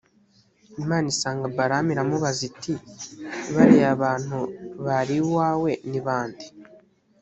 imana isanga balamu iramubaza iti «bariya bantu bari iwawe ni ba nde?